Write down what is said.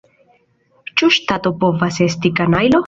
Ĉu ŝtato povas esti kanajlo?